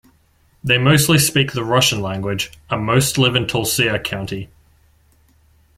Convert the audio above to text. They mostly speak the Russian language, and most live in Tulcea County.